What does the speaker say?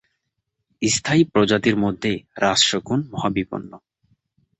স্থায়ী প্রজাতির মধ্যে রাজ শকুন মহাবিপন্ন।